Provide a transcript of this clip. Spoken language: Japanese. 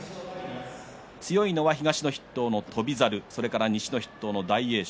強いのは東の筆頭の翔猿とそれから西の筆頭の大栄翔